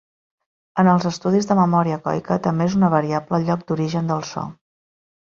En els estudis de memòria ecoica també és una variable el lloc d'origen del so.